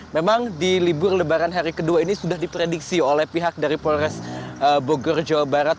memang di libur lebaran hari kedua ini sudah diprediksi oleh pihak dari polres bogor jawa barat